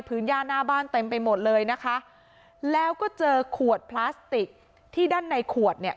ย่าหน้าบ้านเต็มไปหมดเลยนะคะแล้วก็เจอขวดพลาสติกที่ด้านในขวดเนี่ย